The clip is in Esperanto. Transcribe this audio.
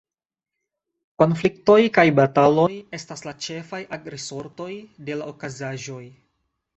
Konfliktoj kaj bataloj estas la ĉefaj ag-risortoj de la okazaĵoj.